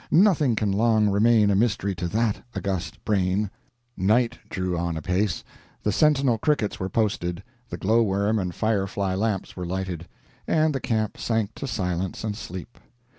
nothing can long remain a mystery to that august brain." Night drew on apace, the sentinel crickets were posted, the Glow Worm and Fire Fly lamps were lighted, and the camp sank to silence and sleep.